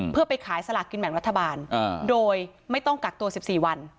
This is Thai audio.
เพื่อไปขายสลากกินแบ่งรัฐบาลโดยไม่ต้องกักตัว๑๔วัน